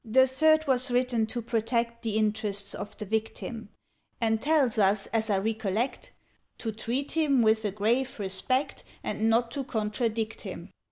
"The Third was written to protect The interests of the Victim, And tells us, as I recollect, To treat him with a grave respect, And not to contradict him."